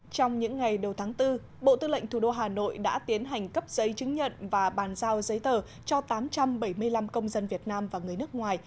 trong những ngày đầu tháng bốn bộ tư lệnh thủ đô hà nội đã tiến hành cấp giấy chứng nhận và bàn giao giấy tờ cho tám trăm bảy mươi năm công dân việt nam và người nước ngoài